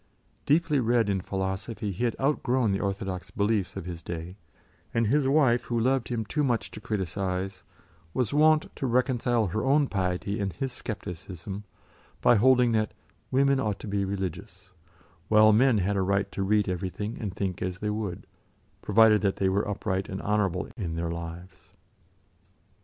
Deeply read in philosophy, he had outgrown the orthodox beliefs of his day, and his wife, who loved him too much to criticise, was wont to reconcile her own piety and his scepticism by holding that "women ought to be religious," while men had a right to read everything and think as they would, provided that they were upright and honourable in their lives.